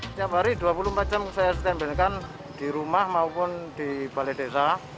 setiap hari dua puluh empat jam saya standarkan di rumah maupun di balai desa